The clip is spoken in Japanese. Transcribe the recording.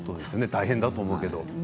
大変だと思うけど。